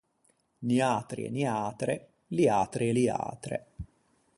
Niatri e niatre, liatri e liatre.